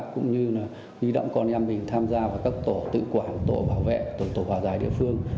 cũng như lý động con em mình tham gia vào các tổ tự quản tổ bảo vệ tổ tổ bảo giải địa phương